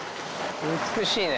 美しいね。